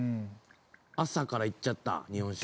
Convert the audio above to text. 朝からいっちゃった、日本酒。